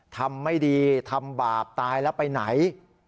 ทำไม่ดีทำบาปตายแล้วไปไหน